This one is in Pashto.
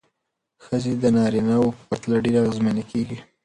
ښځې د نارینه وو پرتله ډېرې اغېزمنې کېږي.